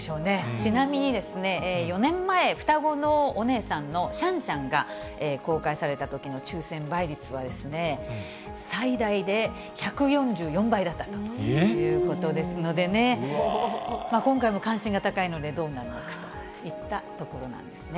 ちなみに４年前、双子のお姉さんのシャンシャンが公開されたときの抽せん倍率は最大で１４４倍だったということですのでね、今回も関心が高いので、どうなるのかといったところなんですね。